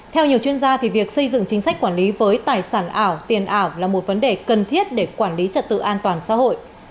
theo nhiều chuyên gia việc xây dựng chính sách quản lý với tài sản ảo tiền ảo là một vấn đề cần thiết để quản lý trật tự an toàn xã hội